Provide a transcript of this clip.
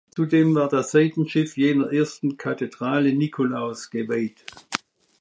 Zudem war das Seitenschiff jener ersten Kathedrale Nikolaus geweiht.